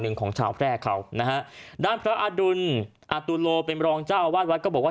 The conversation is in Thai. ของชาวแพร่เขานะฮะด้านพระอดุลอตุโลเป็นรองเจ้าอาวาสวัดก็บอกว่า